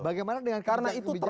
bagaimana dengan kerjaan kebijakan